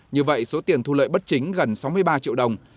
như vậy số tiền thu lợi bất chính gần sáu mươi ba triệu đồng